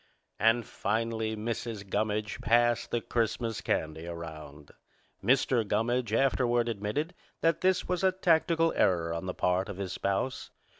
And finally Mrs. Gummidge passed the Christmas candy around. Mr. Gummidge afterward admitted that this was a tactical error on the part of his spouse.